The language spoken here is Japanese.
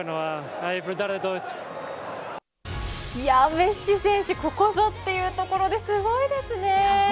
メッシ選手、ここぞというところですごいですね。